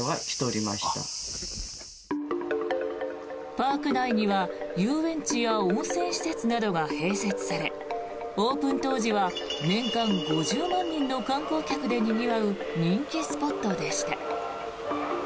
パーク内には遊園地や温泉施設などが併設されオープン当時は年間５０万人の観光客でにぎわう人気スポットでした。